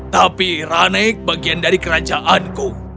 tapi rane bagian dari kerajaanku